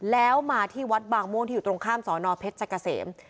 แล้วมาที่วัดบางม่วงที่อยู่ตรงข้ามสอนอเพชรเกษม